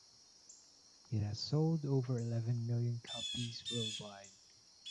It has sold over eleven million copies worldwide.